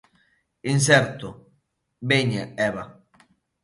Inserto: 'Veña, Eva.'